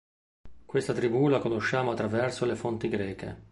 Questa tribù la conosciamo attraverso le fonti greche.